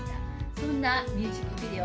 そんなミュージックビデオ